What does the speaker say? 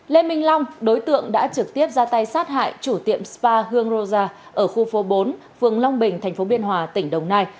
lê minh long đối tượng đã trực tiếp ra tay sát hại chủ tiệm spa hương roza ở khu phố bốn phường long bình tp biên hòa tỉnh đồng nai